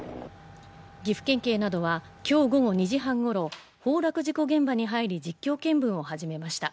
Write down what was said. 岐阜県警などは今日午後２時半ごろ崩落事故現場に入り、実況見分を始めました。